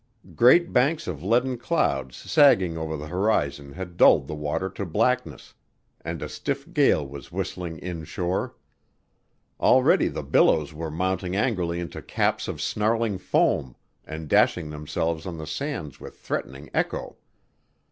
Great banks of leaden clouds sagging over the horizon had dulled the water to blackness, and a stiff gale was whistling inshore. Already the billows were mounting angrily into caps of snarling foam and dashing themselves on the sands with threatening echo.